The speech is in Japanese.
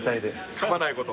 かまないこと。